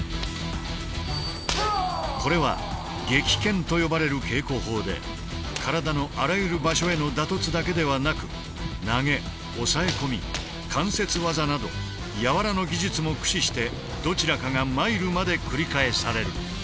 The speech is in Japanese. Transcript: これは「撃剣」と呼ばれる稽古法で体のあらゆる場所への打突だけではなく投げ抑え込み関節技など柔の技術も駆使してどちらかが参るまで繰り返される。